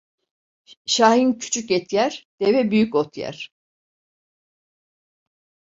Şahin küçük, et yer; deve büyük, ot yer.